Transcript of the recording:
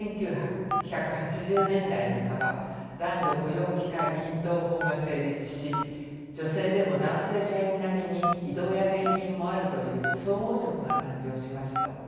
１９８０年代半ば男女雇用機会均等法が成立し女性でも男性社員並みに異動や転勤もあるという総合職が誕生しました。